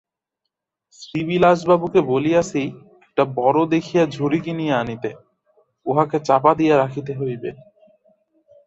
শ্রীবিলাসবাবুকে বলিয়াছি একটা বড়ো দেখিয়া ঝুড়ি কিনিয়া আনিতে, উহাকে চাপা দিয়া রাখিতে হইবে।